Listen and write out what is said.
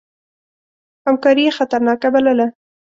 همکاري یې خطرناکه بلله.